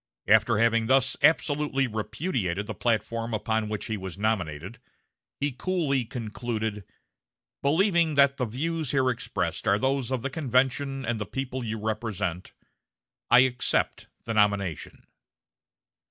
After having thus absolutely repudiated the platform upon which he was nominated, he coolly concluded: "Believing that the views here expressed are those of the convention and the people you represent, I accept the nomination."